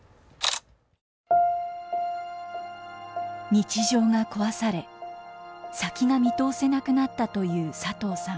日常が壊され先が見通せなくなったという佐藤さん。